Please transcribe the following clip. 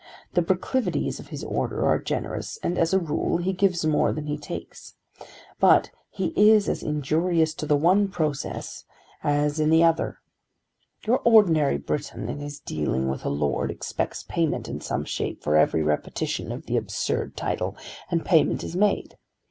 The proclivities of his order are generous, and as a rule he gives more than he takes. But he is as injurious in the one process as in the other. Your ordinary Briton in his dealing with a lord expects payment in some shape for every repetition of the absurd title; and payment is made.